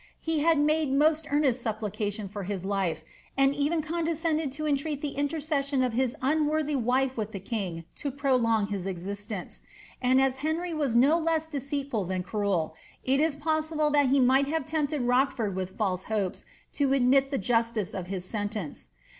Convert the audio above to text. He had mode most earnest supplio tiuD for his life, and even condescended to entreat the intercession of h» unworthy wife with the king to prolong his existence ; and as Heorf was oo lots dcceiiful thoa cruel, it is possible tliat he might have temptM nK hford with iulse hopes to admit the justice of his sentence.